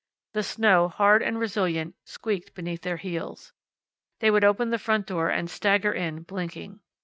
The snow, hard and resilient, squeaked beneath their heels. They would open the front door and stagger in, blinking.